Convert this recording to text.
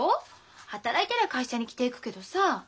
働いてりゃ会社に着ていくけどさ。